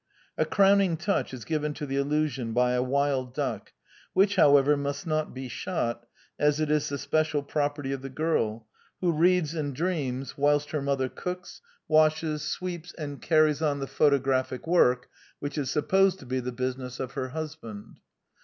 A crowning touch is given to the illusion by a wild duck, which, however, must not be shot, as it is the special property of the girl, who reads and dreams whilst her mother cooks, washes. no The Quintessence of Ibsenism sweeps, and carries on the photographic work which is supposed to be the business of her hus band.